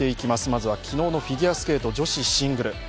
まずは昨日のフィギュアスケート女子シングル。